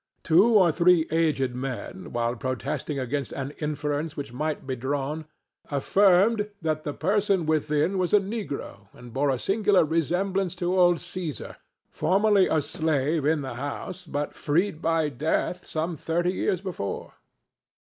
Two or three aged men, while protesting against an inference which might be drawn, affirmed that the person within was a negro and bore a singular resemblance to old Cæsar, formerly a slave in the house, but freed by death some thirty years before.